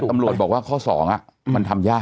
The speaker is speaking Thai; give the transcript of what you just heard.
ตำรวจบอกว่าข้อ๒มันทำยาก